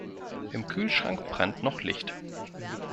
Im Kühlschrank brennt noch Licht!